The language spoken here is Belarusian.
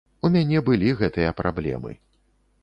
У мяне былі гэтыя праблемы.